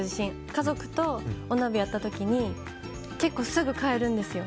家族とお鍋やった時に結構、すぐ替えるんですよ。